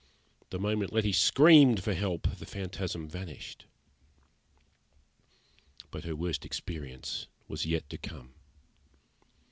The moment Letty screamed for help the phantasm vanished. But her worst experience was yet to come.